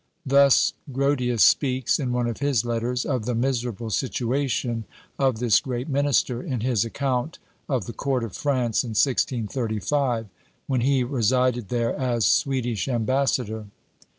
Thus Grotius speaks, in one of his letters, of the miserable situation of this great minister, in his account of the court of France in 1635, when he resided there as Swedish ambassador.